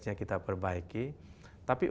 nya kita perbaiki tapi